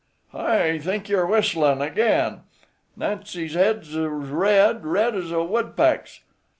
"I think you're whistlin' again. Nancy's head's red, red as a woodpeck's.